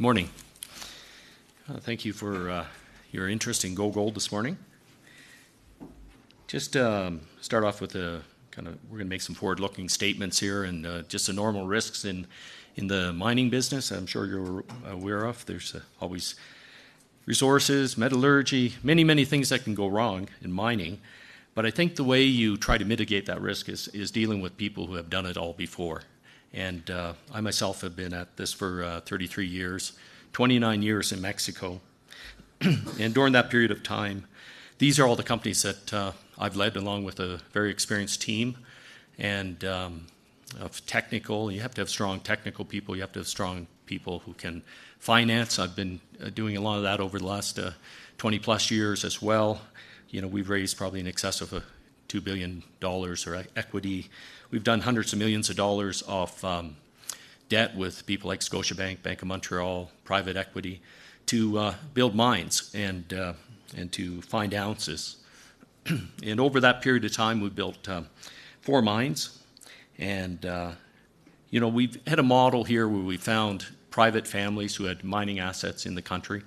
Good morning. Thank you for your interest in GoGold this morning. Just to start off with, we're going to make some forward-looking statements here, and just the normal risks in the mining business I'm sure you're aware of. There's always resources, metallurgy, many, many things that can go wrong in mining, but I think the way you try to mitigate that risk is dealing with people who have done it all before, and I myself have been at this for 33 years, 29 years in Mexico, and during that period of time, these are all the companies that I've led along with a very experienced team and of technical. You have to have strong technical people. You have to have strong people who can finance. I've been doing a lot of that over the last 20-plus years as well. We've raised probably in excess of $2 billion in equity. We've done hundreds of millions of dollars of debt with people like Scotiabank, Bank of Montreal, private equity to build mines and to find ounces. And over that period of time, we built four mines. And we've had a model here where we found private families who had mining assets in the country.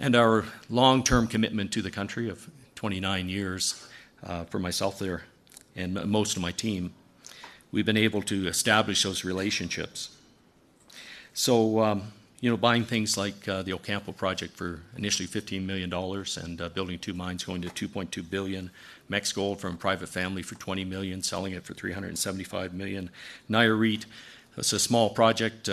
And our long-term commitment to the country of 29 years for myself there and most of my team, we've been able to establish those relationships. So buying things like the Ocampo project for initially $15 million and building two mines going to $2.2 billion, Mexgold from a private family for $20 million, selling it for $375 million. Nayarit, it's a small project,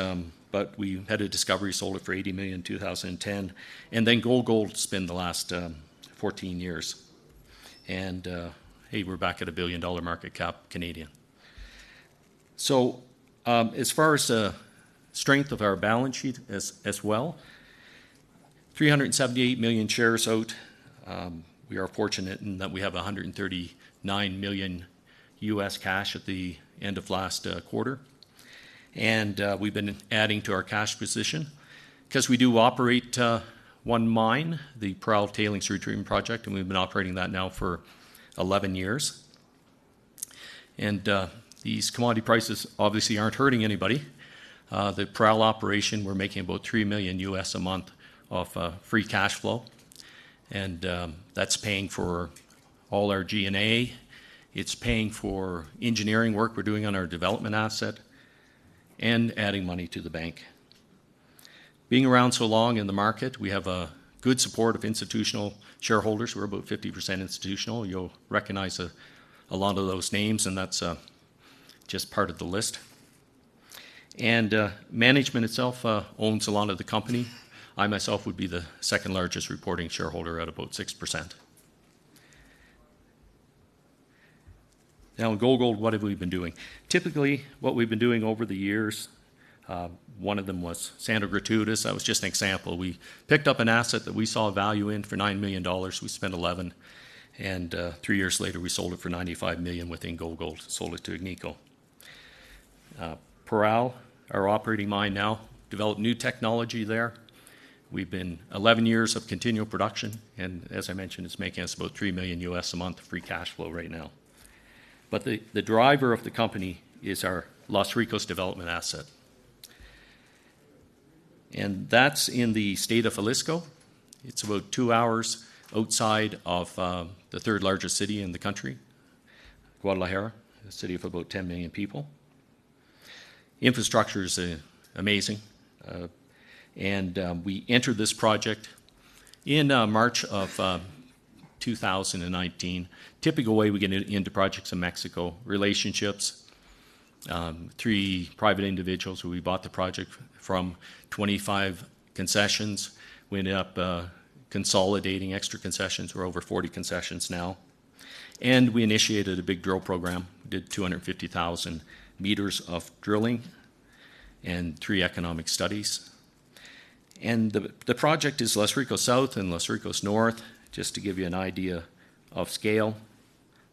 but we had a discovery sold it for $80 million in 2010. And then GoGold spent the last 14 years. And hey, we're back at a billion-dollar market cap, Canadian. As far as the strength of our balance sheet as well, 378 million shares out. We are fortunate in that we have $139 million cash at the end of last quarter. We've been adding to our cash position because we do operate one mine, the Parral Tailings Retreatment Project, and we've been operating that now for 11 years. These commodity prices obviously aren't hurting anybody. The Parral operation, we're making about $3 million a month of free cash flow. That's paying for all our G&A. It's paying for engineering work we're doing on our development asset and adding money to the bank. Being around so long in the market, we have good support of institutional shareholders. We're about 50% institutional. You'll recognize a lot of those names, and that's just part of the list. Management itself owns a lot of the company. I myself would be the second largest reporting shareholder at about 6%. Now, GoGold, what have we been doing? Typically, what we've been doing over the years, one of them was Santa Gertrudis. That was just an example. We picked up an asset that we saw value in for $9 million. We spent $11 million, and three years later, we sold it for $95 million within GoGold, sold it to Agnico. Parral, our operating mine now, developed new technology there. We've been 11 years of continual production, and as I mentioned, it's making us about $3 million USD a month of free cash flow right now, but the driver of the company is our Los Ricos development asset, and that's in the state of Jalisco. It's about two hours outside of the third largest city in the country, Guadalajara, a city of about 10 million people. Infrastructure is amazing. We entered this project in March of 2019. Typical way we get into projects in Mexico, relationships, three private individuals who we bought the project from, 25 concessions. We ended up consolidating extra concessions. We're over 40 concessions now. We initiated a big drill program. We did 250,000 meters of drilling and three economic studies. The project is Los Ricos South and Los Ricos North, just to give you an idea of scale.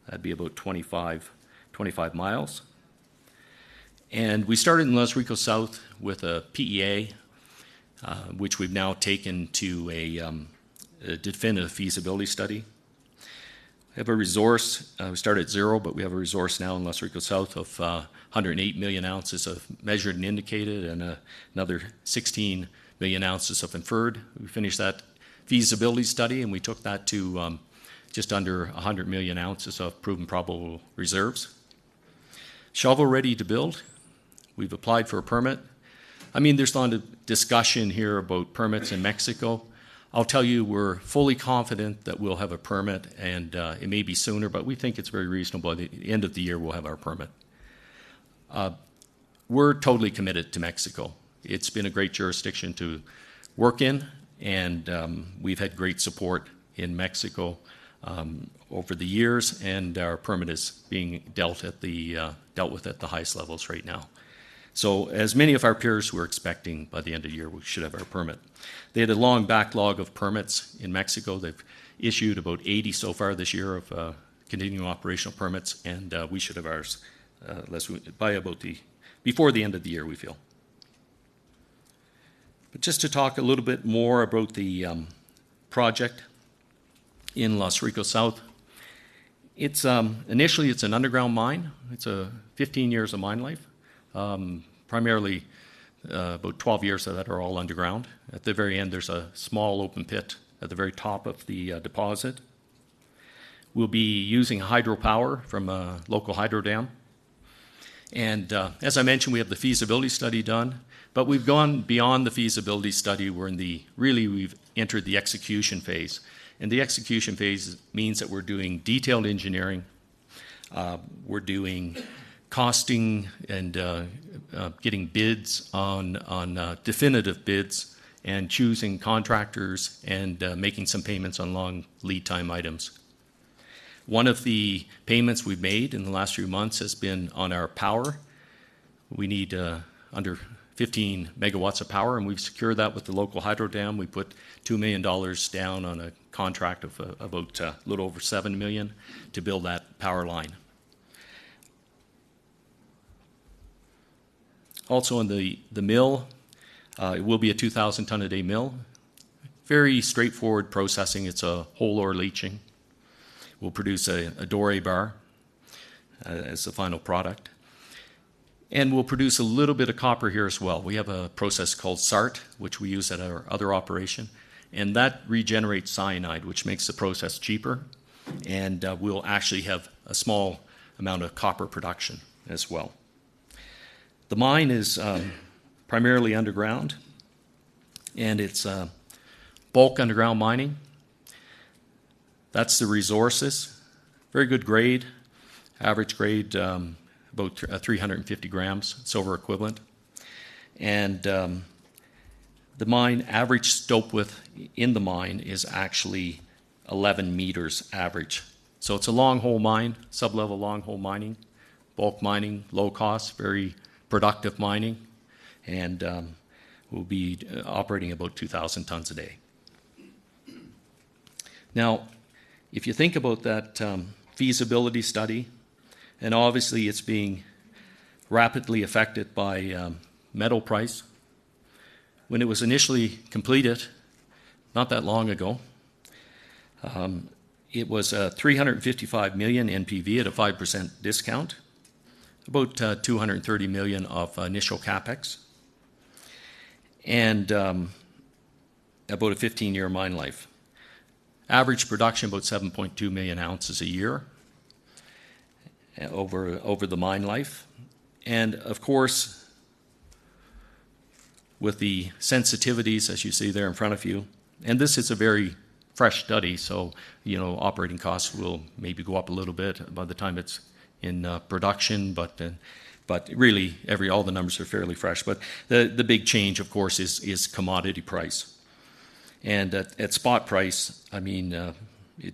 That'd be about 25 miles. We started in Los Ricos South with a PEA, which we've now taken to a definitive feasibility study. We have a resource. We started at zero, but we have a resource now in Los Ricos South of 108 million ounces of measured and indicated and another 16 million ounces of inferred. We finished that feasibility study, and we took that to just under 100 million ounces of proven probable reserves. Shovel ready to build. We've applied for a permit. I mean, there's a lot of discussion here about permits in Mexico. I'll tell you, we're fully confident that we'll have a permit, and it may be sooner, but we think it's very reasonable at the end of the year we'll have our permit. We're totally committed to Mexico. It's been a great jurisdiction to work in, and we've had great support in Mexico over the years, and our permit is being dealt with at the highest levels right now. So as many of our peers were expecting by the end of the year, we should have our permit. They had a long backlog of permits in Mexico. They've issued about 80 so far this year of continuing operational permits, and we should have ours by about before the end of the year, we feel, but just to talk a little bit more about the project in Los Ricos South, initially, it's an underground mine. It's 15 years of mine life, primarily about 12 years of that are all underground. At the very end, there's a small open pit at the very top of the deposit. We'll be using hydropower from a local hydro dam. And as I mentioned, we have the feasibility study done, but we've gone beyond the feasibility study. We're in the, really, we've entered the execution phase, and the execution phase means that we're doing detailed engineering. We're doing costing and getting bids on definitive bids and choosing contractors and making some payments on long lead time items. One of the payments we've made in the last few months has been on our power. We need under 15 megawatts of power, and we've secured that with the local hydro dam. We put $2 million down on a contract of about a little over $7 million to build that power line. Also on the mill, it will be a 2,000-ton-a-day mill. Very straightforward processing. It's heap leaching. We'll produce a doré bar as the final product. We'll produce a little bit of copper here as well. We have a process called SART, which we use at our other operation. That regenerates cyanide, which makes the process cheaper. We'll actually have a small amount of copper production as well. The mine is primarily underground, and it's bulk underground mining. That's the resources. Very good grade, average grade, about 350 grams silver equivalent. The mine average stope width in the mine is actually 11 meters average. It's a long-hole mine, sub-level long-hole mining, bulk mining, low-cost, very productive mining. We'll be operating about 2,000 tons a day. Now, if you think about that feasibility study, and obviously, it's being rapidly affected by metal price. When it was initially completed, not that long ago, it was $355 million NPV at a 5% discount, about $230 million of initial CapEx, and about a 15-year mine life. Average production, about 7.2 million ounces a year over the mine life. Of course, with the sensitivities, as you see there in front of you, and this is a very fresh study, so operating costs will maybe go up a little bit by the time it's in production, but really, all the numbers are fairly fresh. The big change, of course, is commodity price. At spot price, I mean,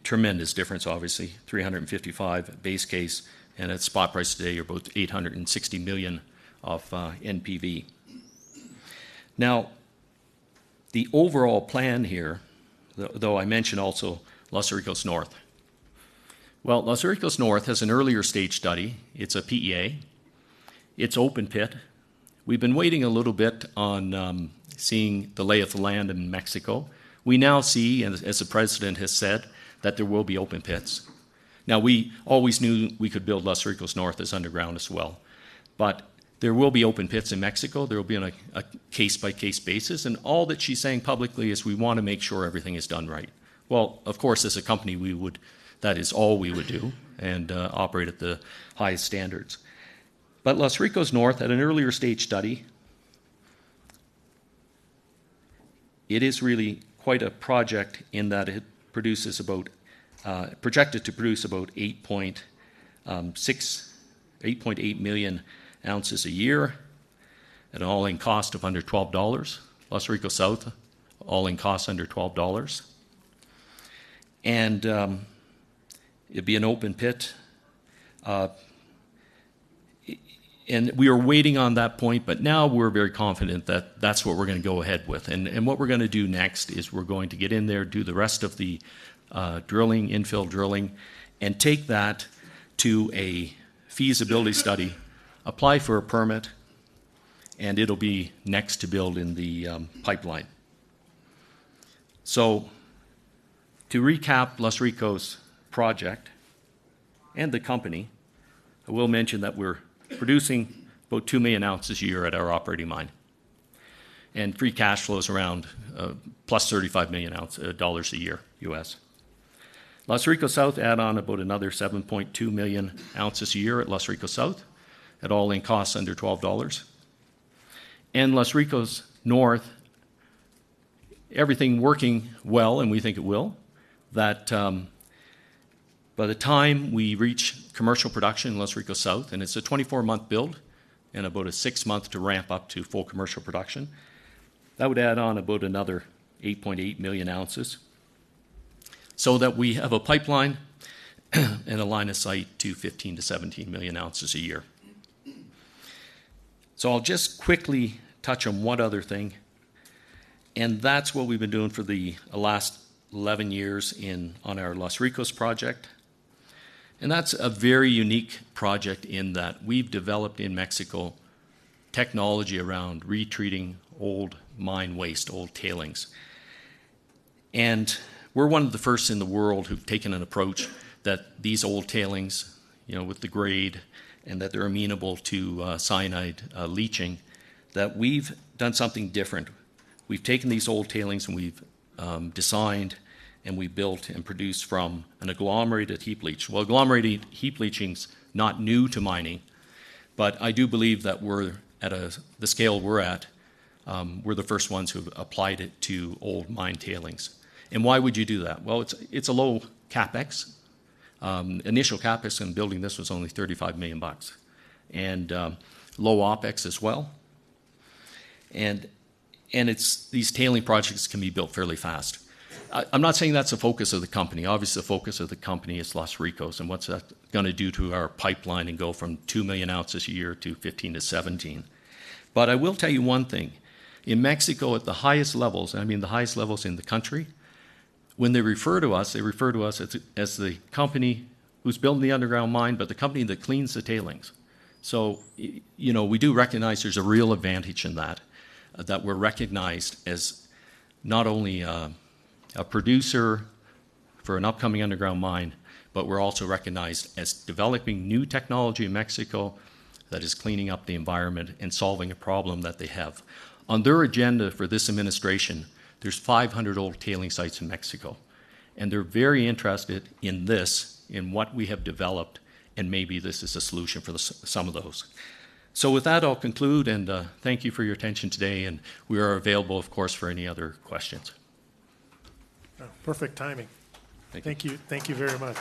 tremendous difference, obviously, $355 million base case, and at spot price today, you're about $860 million NPV. Now, the overall plan here, though I mentioned also Los Ricos North. Los Ricos North has an earlier stage study. It's a PEA. It's open pit. We've been waiting a little bit on seeing the lay of the land in Mexico. We now see, as the president has said, that there will be open pits. Now, we always knew we could build Los Ricos North as underground as well. There will be open pits in Mexico. There will be on a case-by-case basis. All that she's saying publicly is we want to make sure everything is done right. Of course, as a company, that is all we would do and operate at the highest standards. But Los Ricos North, at an earlier stage study, it is really quite a project in that it projected to produce about 8.8 million ounces a year at an all-in cost of under $12. Los Ricos South, all-in cost under $12. And it'd be an open pit. And we are waiting on that point, but now we're very confident that that's what we're going to go ahead with. And what we're going to do next is we're going to get in there, do the rest of the drilling, infill drilling, and take that to a feasibility study, apply for a permit, and it'll be next to build in the pipeline. So to recap Los Ricos project and the company, I will mention that we're producing about 2 million ounces a year at our operating mine. And free cash flows around plus $35 million a year, U.S. Los Ricos South adds on about another 7.2 million ounces a year at Los Ricos South at all-in cost under $12. Los Ricos North, everything working well, and we think it will. That by the time we reach commercial production in Los Ricos South, and it's a 24-month build and about a six-month to ramp up to full commercial production, that would add on about another 8.8 million ounces so that we have a pipeline and line of sight to 15-17 million ounces a year. I'll just quickly touch on one other thing. That's what we've been doing for the last 11 years on our Los Ricos project. That's a very unique project in that we've developed in Mexico technology around retreating old mine waste, old tailings. We're one of the first in the world who've taken an approach that these old tailings with the grade and that they're amenable to cyanide leaching, that we've done something different. We've taken these old tailings and we've designed and we've built and produced from an agglomerated heap leach. Agglomerated heap leaching's not new to mining, but I do believe that we're at the scale we're at, we're the first ones who have applied it to old mine tailings. Why would you do that? It's a low CapEx. Initial CapEx in building this was only $35 million and low OpEx as well. These tailings projects can be built fairly fast. I'm not saying that's the focus of the company. Obviously, the focus of the company is Los Ricos and what's that going to do to our pipeline and go from two million ounces a year to 15-17. But I will tell you one thing. In Mexico, at the highest levels, and I mean the highest levels in the country, when they refer to us, they refer to us as the company who's building the underground mine, but the company that cleans the tailings. So we do recognize there's a real advantage in that, that we're recognized as not only a producer for an upcoming underground mine, but we're also recognized as developing new technology in Mexico that is cleaning up the environment and solving a problem that they have. On their agenda for this administration, there's 500 old tailings sites in Mexico. And they're very interested in this and what we have developed, and maybe this is a solution for some of those. So with that, I'll conclude, and thank you for your attention today. And we are available, of course, for any other questions. Perfect timing. Thank you. Thank you very much.